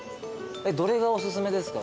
どれがおすすめですか？